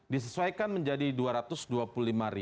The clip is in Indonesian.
disesuaikan menjadi rp dua ratus dua puluh lima